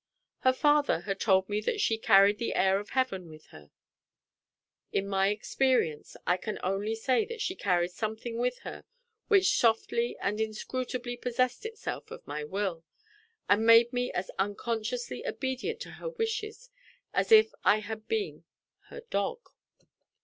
Her father had told me that she "carried the air of heaven with her." In my experience, I can only say that she carried something with her which softly and inscrutably possessed itself of my will, and made me as unconsciously obedient to her wishes as if I had been her dog.